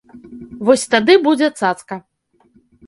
Вось тады будзе цацка.